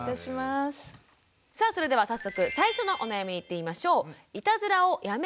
さあそれでは早速最初のお悩みにいってみましょう。